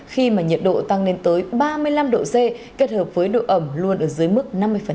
khi mà nhiệt độ tăng lên tới ba mươi năm độ c kết hợp với độ ẩm luôn ở dưới mức năm mươi